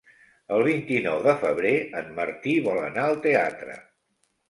El vint-i-nou de febrer en Martí vol anar al teatre.